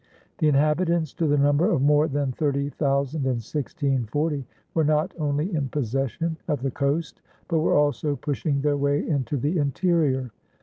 The inhabitants to the number of more than thirty thousand in 1640 were not only in possession of the coast but were also pushing their way into the interior.